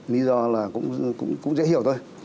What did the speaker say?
lý do cũng dễ hiểu thôi